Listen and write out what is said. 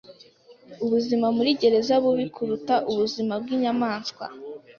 Ubuzima muri gereza bubi kuruta ubuzima bwinyamaswa. (blay_paul)